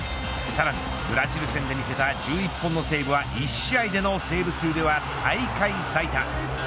さらにブラジル戦で見せた１１本のセーブは１試合でのセーブ数では大会最多。